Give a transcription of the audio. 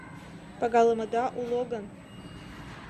Пагалымыда уло гын